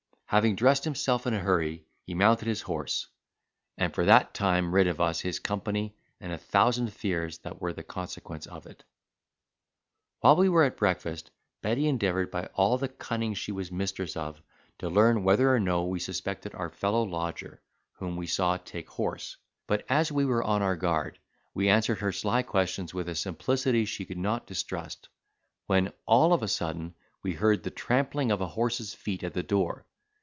Having dressed himself in a hurry, he mounted his horse, and for that time rid us of his company and a thousand fears that were the consequence of it. While we were at breakfast, Betty endeavoured, by all the cunning she was mistress of, to learn whether or no we suspected our fellow lodger, whom we saw take horse; but, as we were on our guard, we answered her sly questions with a simplicity she could not distrust; when, all of a sudden, we heard the trampling of a horse's feet at the door.